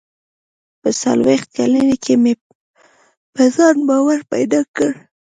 • په څلوېښت کلنۍ کې مې په ځان باور پیدا کړ.